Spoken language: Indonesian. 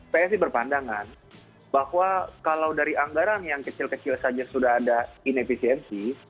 psi berpandangan bahwa kalau dari anggaran yang kecil kecil saja sudah ada inefisiensi